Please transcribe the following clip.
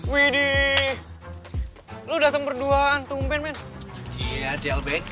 wih dih lu udah sempurna tumpin men jjl bk